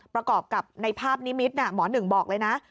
ประกอบกับในภาพนิมิตรหมอหนึ่งบอกเลยนะ